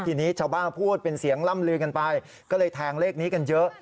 ทีนี้ชาวบ้านพูดเป็นเสียงล่ำลือกันไปก็เลยแทงเลขนี้กันเยอะ